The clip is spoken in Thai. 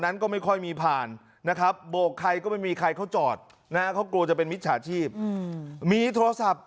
นั้นก็ไม่ค่อยมีผ่านนะครับโบกใครก็ไม่มีใครเขาจอดนะเขากลัวจะเป็นมิจฉาชีพมีโทรศัพท์